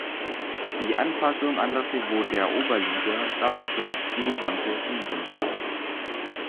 Die Anpassung an das Niveau der Oberliga dauerte die gesamte Hinrunde an.